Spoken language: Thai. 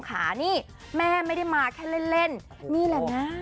ขานี่แม่ไม่ได้มาแค่เล่นนี่แหละนะ